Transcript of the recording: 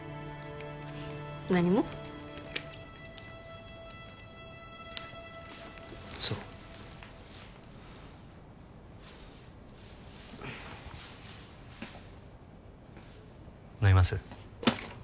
何もそう飲みます？